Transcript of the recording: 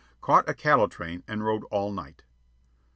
Caught a cattle train and rode all night.